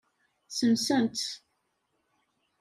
Sensen-tt.